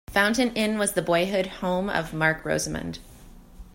Fountain Inn was the boyhood home of Marc Rosamond.